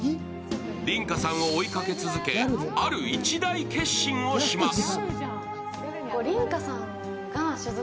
梨花さんを追いかけ続け、ある一大決心をします。